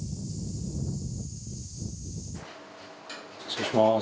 失礼します。